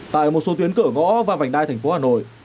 tại một số tuyến cỡ gõ và vành đai thành phố hà nội